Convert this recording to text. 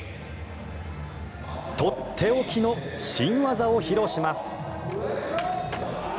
とっておきの新技を披露します。